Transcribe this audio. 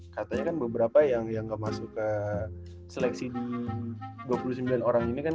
katanya kan beberapa yang gak masuk ke seleksi di dua puluh sembilan orang ini kan